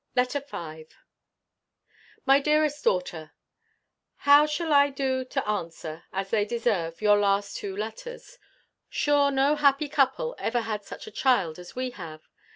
LETTER V MY DEAREST DAUGHTER, How shall I do to answer, as they deserve, your two last letters? Sure no happy couple ever had such a child as we have!